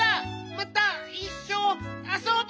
またいっしょあそぶ！